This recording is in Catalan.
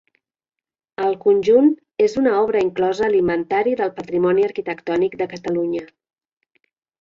El conjunt és una obra inclosa a l'Inventari del Patrimoni Arquitectònic de Catalunya.